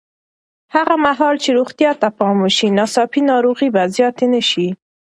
هغه مهال چې روغتیا ته پام وشي، ناڅاپي ناروغۍ به زیاتې نه شي.